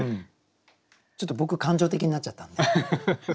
ちょっと僕感情的になっちゃったんで。